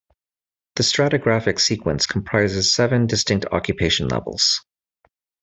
The stratigraphic sequence comprises seven distinct occupation levels.